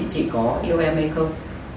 chị có yêu em hay không